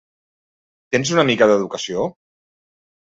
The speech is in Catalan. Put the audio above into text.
Tens una mica d’educació?